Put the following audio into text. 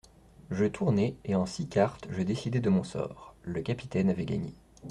Je tournai, et en six cartes je décidai de mon sort ; le capitaine avait gagné.